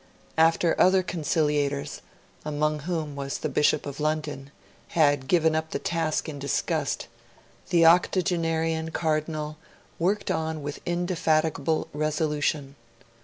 After other conciliators among whom was the Bishop of London had given up the task in disgust, the octogenarian Cardinal worked on with indefatigable resolution.